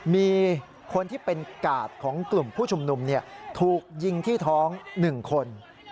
มีคนที่เป็นกาดของกลุ่มผู้ชุมนุมถูกยิงที่ท้อง๑คน